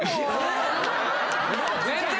全然。